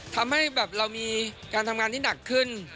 ทำให้แบบเรามีการทำงานที่หนักขึ้น